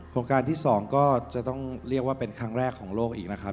โครงการที่๒ก็จะต้องเรียกว่าเป็นครั้งแรกของโลกอีกนะครับ